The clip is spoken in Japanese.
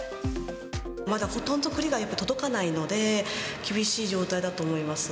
まだほとんど栗が届かないので、厳しい状態だと思います。